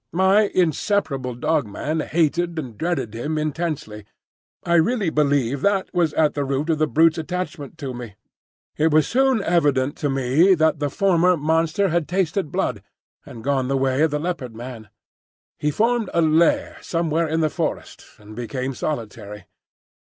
My inseparable Dog man hated and dreaded him intensely. I really believe that was at the root of the brute's attachment to me. It was soon evident to me that the former monster had tasted blood, and gone the way of the Leopard man. He formed a lair somewhere in the forest, and became solitary.